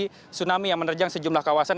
tsunami yang menerjang sejumlah kawasan